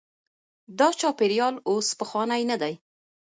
دا چاپیریال اوس پخوانی نه دی.